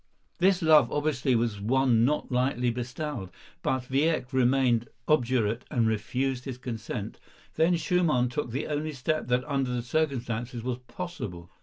This love obviously was one not lightly bestowed, but Wieck remained obdurate and refused his consent. Then Schumann took the only step that under the circumstances was possible.